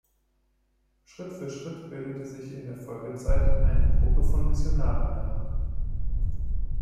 Schritt für Schritt bildete sich in der Folgezeit eine Gruppe von Missionaren heran.